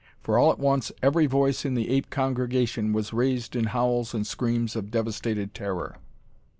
For all at once every voice in the ape congregation was raised in howls and screams of devastated terror.